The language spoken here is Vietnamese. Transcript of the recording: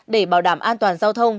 để bảo đảm an toàn giao thông